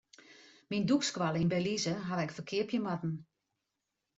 Myn dûkskoalle yn Belize haw ik ferkeapje moatten.